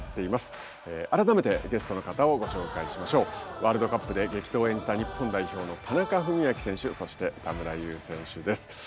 ワールドカップで激闘を演じた日本代表の田中史朗選手そして田村優選手です。